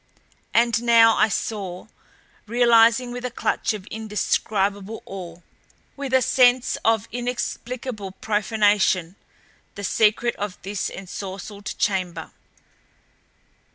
And now I saw realizing with a clutch of indescribable awe, with a sense of inexplicable profanation the secret of this ensorcelled chamber.